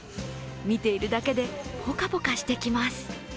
見ているだけでポカポカしてきます。